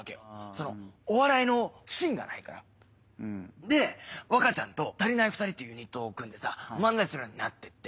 そのお笑いのしんがないから。で若ちゃんとたりないふたりってユニットを組んでさ漫才するようになってって。